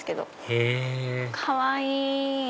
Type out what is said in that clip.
へぇかわいい！